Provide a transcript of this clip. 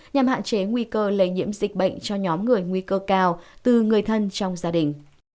nhằm hạn chế nguy cơ lây nhiễm dịch bệnh cho nhóm người nguy cơ cao từ người thân trong gia đình